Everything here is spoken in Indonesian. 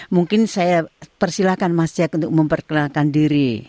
mungkin saya persilahkan mas jack untuk memperkenalkan diri